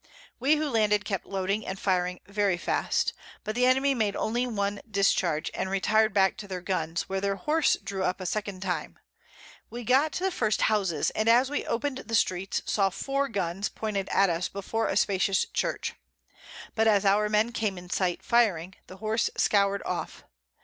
We who landed kept loading and firing very fast; but the Enemy made only one Discharge, and retir'd back to their Guns, where their Horse drew up a second time; we got to the first Houses, and as we open'd the Streets, saw 4 Guns pointing at us before a spacious Church; but as our Men came in sight, firing, the Horse scower'd off.